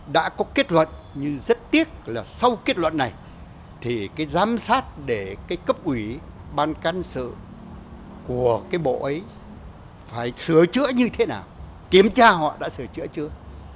đã có kết luận nhưng rất tiếc là sau kết luận này thì cái giám sát để cái cấp ủy ban cán sự của cái bộ ấy phải sửa chữa như thế nào kiểm tra họ đã sửa chữa chưa